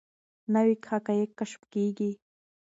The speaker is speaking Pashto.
نوي حقایق کشف کیږي.